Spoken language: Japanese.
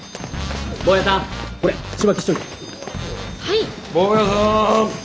はい。